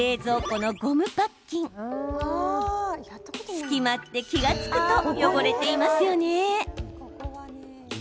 隙間って気が付くと汚れていますよね。